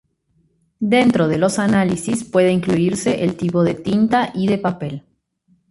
Dentro de los análisis puede incluirse el tipo de tinta y de papel.